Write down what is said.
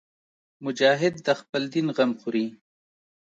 مجاهد د خپل دین غم خوري.